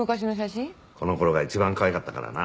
この頃が一番かわいかったからな。